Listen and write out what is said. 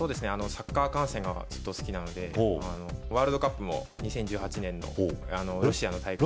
サッカー観戦がずっと好きなのでワールドカップも２０１８年のロシアの大会